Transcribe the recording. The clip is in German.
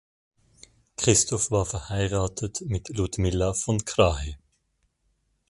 Christoph war verheiratet mit Ludmilla von Krahe.